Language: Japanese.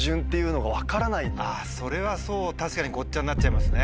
それはそう確かにごっちゃになっちゃいますね。